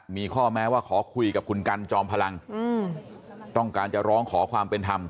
มีข้อแม้ว่าขอคุยกับคุณกันจอมพลังต้องการจะร้องขอความเป็นธรรม